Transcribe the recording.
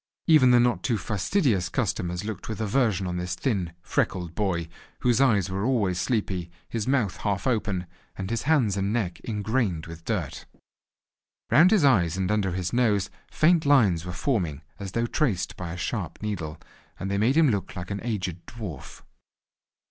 Even the not too fastidious customers looked with aversion on this thin, freckled boy, whose eyes were always sleepy, his mouth half open, and his hands and neck ingrained with dirt. Round his eyes and under his nose faint lines were forming as though traced by a sharp needle, and they made him look like an aged dwarf.